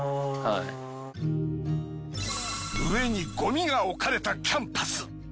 上にゴミが置かれたキャンパス。